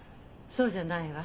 そうじゃないわ。